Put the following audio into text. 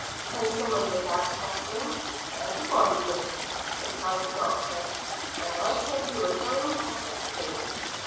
"Then some one did ask questions?" "Everybody did," replied the doctor, "and I said we were going prospecting."